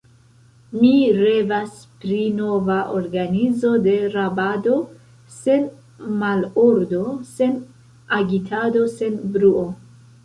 Mi revas pri nova organizo de rabado, sen malordo, sen agitado, sen bruo.